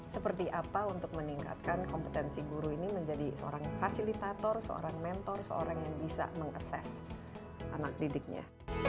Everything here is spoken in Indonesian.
seperti apa untuk meningkatkan kompetensi guru ini menjadi seorang fasilitator seorang mentor seorang yang bisa mengases anak didiknya